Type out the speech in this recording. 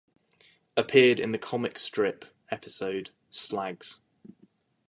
Appeared in the "Comic Strip" episode "Slags".